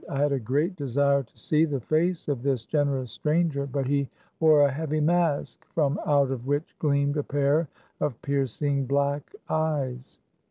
I had a great desire to see the face of this generous stranger, but he wore a heavy mask, from out of which gleamed a pair of piercing black eyes.